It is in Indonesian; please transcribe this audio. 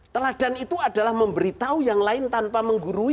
teladan itu adalah memberitahu yang lain tanpa menggurui